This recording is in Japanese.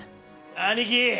兄貴！